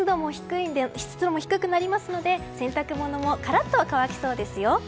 湿度も低くなりますので洗濯物もカラッと乾きそうですよ。